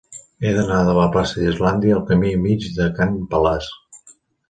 He d'anar de la plaça d'Islàndia al camí Mig de Can Balasc.